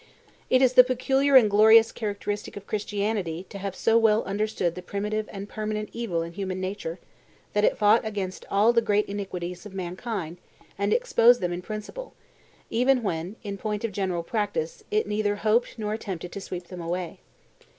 It is the peculiar and glorious characteristic of Christianity to have so well understood the primitive and permanent evil in human nature that it fought against all the great iniquities of mankind and exposed them in principle, even when, in point of general practice, it neither hoped nor attempted to sweep them away.